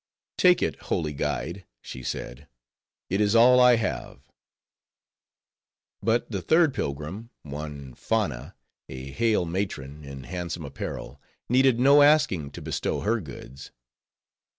"Take it, holy guide," she said, "it is all I have." But the third pilgrim, one Fanna, a hale matron, in handsome apparel, needed no asking to bestow her goods.